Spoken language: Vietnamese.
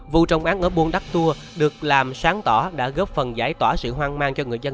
vụ trồng án ở buôn đắc tour được làm sáng tỏ đã góp phần giải tỏa sự hoang mang cho người dân